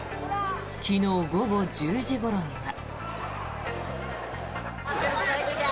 昨日午後１０時ごろには。